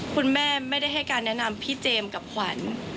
คุณแม่ไม่ได้ให้การแนะนำพี่เจมส์กับขวัญ